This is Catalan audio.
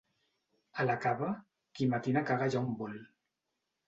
A la Cava, qui matina caga allà on vol.